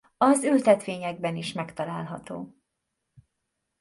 Az ültetvényekben is megtalálható.